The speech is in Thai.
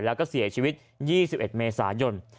แล้วก็เสียชีวิต๒๑เมษายน